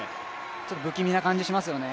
ちょっと不気味な感じがしますよね。